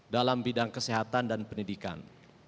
dalam bidang kesehatan dan pendidikan